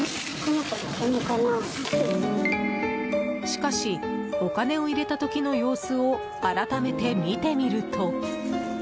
しかし、お金を入れた時の様子を改めて見てみると。